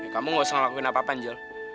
kamu gak usah ngelakuin apa apa aja